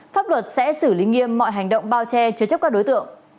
pháp luật sẽ xử lý nghiêm mọi hành động bao che chứa chấp các đối tượng